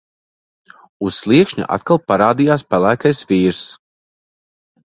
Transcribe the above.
Uz sliekšņa atkal parādījās pelēkais vīrs.